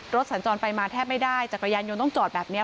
สัญจรไปมาแทบไม่ได้จักรยานยนต์ต้องจอดแบบนี้